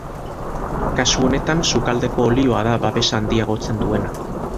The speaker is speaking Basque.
Kasu honetan, sukaldeko olioa da babesa handiagotzen duena.